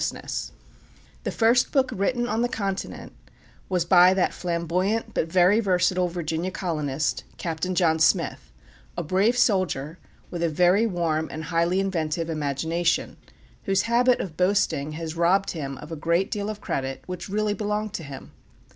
Whitney stands on the right of Edwards' house] The first book written on the continent was by that flamboyant, but very versatile Virginia colonist, Captain John Smith; a brave soldier, with a very warm and highly inventive imagination, whose habit of boasting has robbed him of a great deal of credit which really belonged to him.